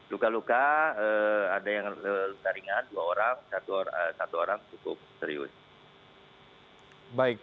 luka luka ada yang luka ringan dua orang satu orang cukup serius